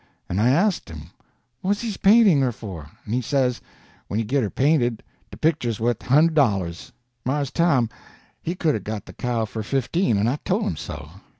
En I ast him what he's paintin' her for, en he say when he git her painted, de picture's wuth a hundred dollars. Mars Tom, he could a got de cow fer fifteen, en I tole him so.